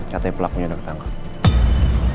katanya pelakunya udah ketangkap